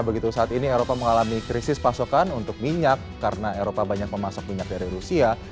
begitu saat ini eropa mengalami krisis pasokan untuk minyak karena eropa banyak memasok minyak dari rusia